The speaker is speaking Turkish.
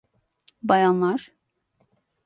Bayanlar.